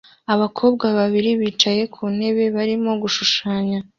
Abakobwa babiri bicaye ku ntebe barimo gushushanya